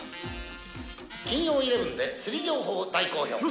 金曜イレブンで釣り情報を。